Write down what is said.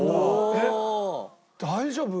えっ大丈夫？